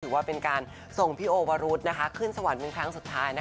ถือว่าเป็นการส่งพี่โอวรุธขึ้นสวรรค์เป็นครั้งสุดท้าย